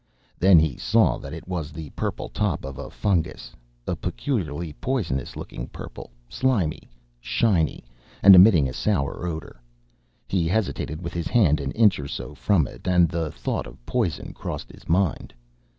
Then he saw that it was the purple top of a fungus, a peculiarly poisonous looking purple: slimy, shiny, and emitting a sour odour. He hesitated with his hand an inch or so from it, and the thought of poison crossed his mind.